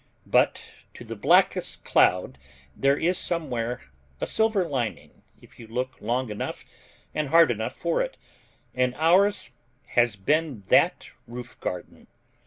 But to the blackest cloud there is somewhere a silver lining if you look long enough and hard enough for it, and ours has been that roof garden.